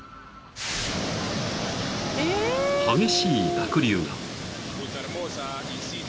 ［激しい濁流が］